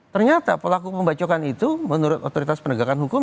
ternyata pelaku pembacokan itu menurut otoritas penegakan hukum